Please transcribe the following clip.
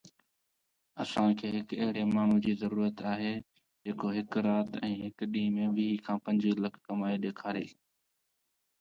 Fine's mother died while Fine was attending Cooper Union college, studying engineering.